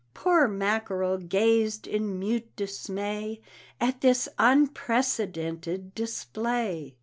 Poor Mackerel gazed in mute dismay At this unprecedented display.